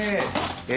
え？